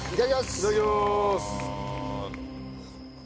いただきまーす！